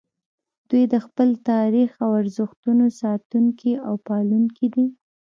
دوی د خپل تاریخ او ارزښتونو ساتونکي او پالونکي دي